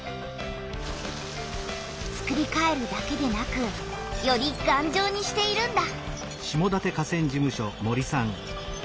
つくりかえるだけでなくよりがんじょうにしているんだ。